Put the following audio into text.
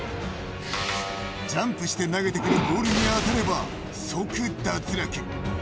ジャンプして投げてくるボールに当たれば即脱落。